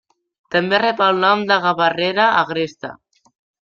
També rep el nom de gavarrera agresta.